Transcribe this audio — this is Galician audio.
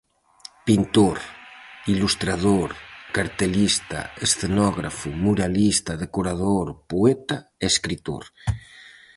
Pintor, ilustrador, cartelista, escenógrafo, muralista, decorador, poeta e escritor.